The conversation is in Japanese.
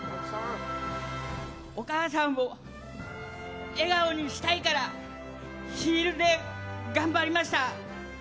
お母さんを笑顔にしたいからヒールで頑張りました。